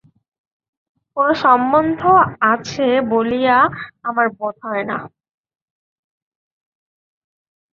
কোন সম্বন্ধ আছে বলিয়া তো আমার বোধ হয় না।